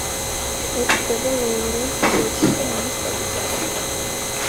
ეს ხდება ლოურენს ბრეგის და მამის პატივსაცემად.